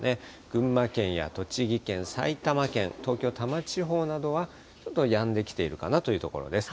群馬県や栃木県、埼玉県、東京・多摩地方などはちょっとやんできているかなというところです。